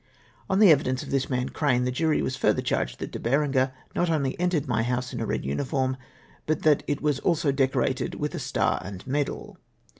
On the evidence of this man Crane, the jury was fur ther charged that De Berenger not only entered my house in a red uniform, but that it was also decorated with a star and medal